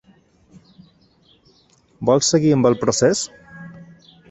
Vol seguir amb el procés?